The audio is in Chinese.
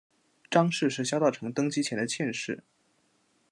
张氏是萧道成登基前的妾室。